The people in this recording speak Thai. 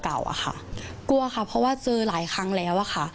กลัวเพราะว่าเจอหลายครั้งแล้ว